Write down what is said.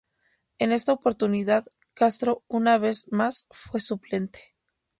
En esta oportunidad, Castro una vez más fue suplente.